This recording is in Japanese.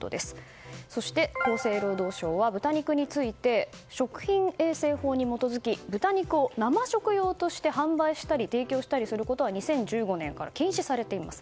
そして、厚生労働省は豚肉について食品衛生法に基づき豚肉を生食用として販売したり提供したりすることは２０１５年から禁止されています。